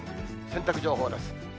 洗濯情報です。